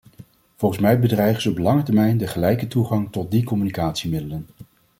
Volgens mij bedreigen ze op lange termijn de gelijke toegang tot die communicatiemiddelen.